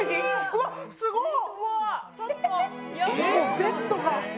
ベッドが。